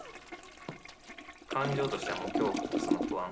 感情としては、恐怖とその不安。